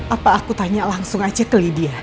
apa aku tanya langsung aja ke lidia